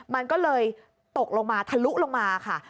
มันก็เลยตกลงมาทะลุลงมาค่ะ